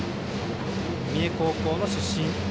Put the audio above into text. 三重高校の出身。